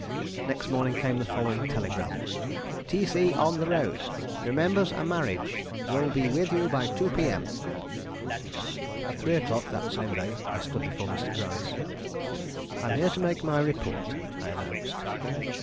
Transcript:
Next morning came the following telegram: "T. C. on the road. Remembers a marriage. Will be with you by 2 P.M." At three o'clock of that same day, I stood before Mr. Gryce. "I am here to make my report," I announced.